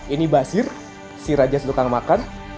ini basir si raja sebekang makan